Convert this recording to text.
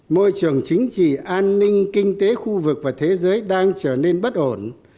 môi trường chính trị an ninh kinh tế khu vực và thế giới đang chờ đợi